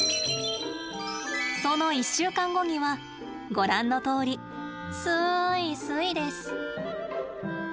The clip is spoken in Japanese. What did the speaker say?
その１週間後にはご覧のとおりスイスイです。